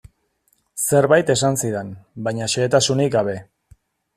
Zerbait esan zidan, baina xehetasunik gabe.